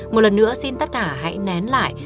một lần nữa xin tất cả hãy nén lại